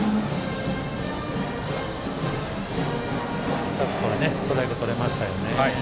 うまく２つストライクをとれましたよね。